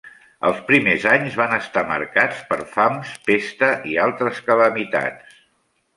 Els primers anys van estar marcats per fams, pesta i altres calamitats.